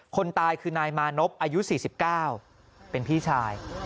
คนตายคือนายมานพอายุ๔๙เป็นพี่ชาย